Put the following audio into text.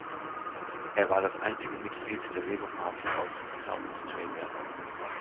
Er war das einzige Mitglied der Labor Party aus South Australia.